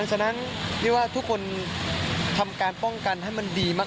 ฉะนั้นเรียกว่าทุกคนทำการป้องกันให้มันดีมาก